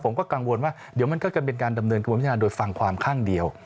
ผมก็กังวลว่าเดี๋ยวมันก็จะเป็นการดำเนื่องกระบวนวิทยาลัยโดยฟังความข้างเดียว